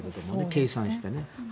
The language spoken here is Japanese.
計算してね。